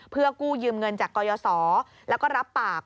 เพื่อกู้ยืมเงินจากกรยศแล้วก็รับปาก